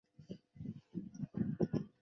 建议书长达万余字。